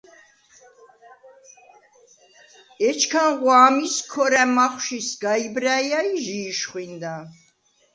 ეჩქანღვ’ ა̄მის ქორა̈ მახვში სგა იბრაჲა ი ჟი იშხვინდა.